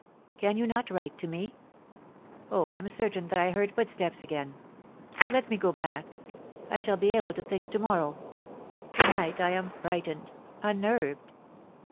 Can you not write to me ? Oh, I am certain that I heard footsteps again. Let me go back. I shall be able to think to morrow. To night I am frightened, unnerved.'